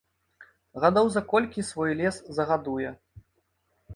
Гадоў за колькі свой лес загадуе.